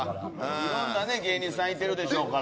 いろんな芸人さんいてるでしょうから。